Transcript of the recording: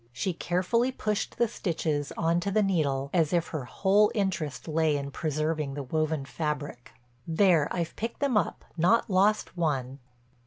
She carefully pushed the stitches on to the needle as if her whole interest lay in preserving the woven fabric. "There I've picked them up, not lost one."